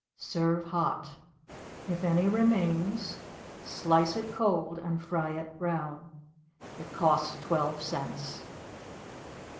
Serve hot. If any remains, slice it cold and fry it brown. It costs twelve cents.